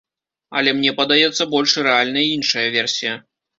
Але мне падаецца больш рэальнай іншая версія.